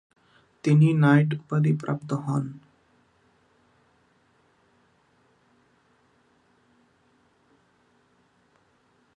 তিনি নাইট উপাধি প্রাপ্ত হন।